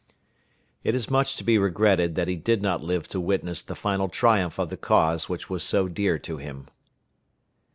_" It is much to be regretted that he did not live to witness the final triumph of the cause which was so dear to him.